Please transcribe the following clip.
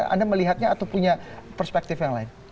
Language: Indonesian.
anda melihatnya atau punya perspektif yang lain